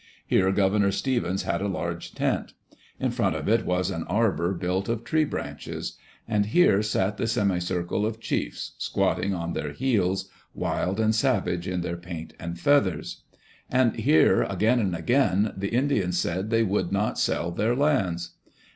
Here Governor Stevens had a large tent. In front of it was an arbor built of tree branches. And here sat the semicircle of chiefs, squatting on their heels, wild and savage in their paint and feathers. And here, again and again, the Indians said they would not sell their lands.